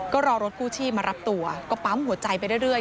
ก็รอรถกู้ชีพมารับตัวก็ปั๊มหัวใจไปเรื่อย